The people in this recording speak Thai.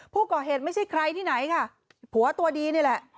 ผู้ก่อเหตุไม่ใช่ใครที่ไหนค่ะผัวตัวดีนี่แหละ